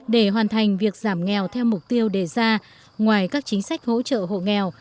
để hoàn thành việc giảm nghèo theo mục tiêu đề ra ngoài các chính sách hỗ trợ hộ nghèo